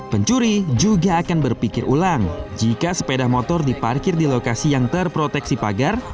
pencuri juga akan berpikir ulang jika sepeda motor diparkir di lokasi yang terproteksi pagar